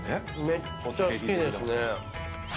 めっちゃ好きですね。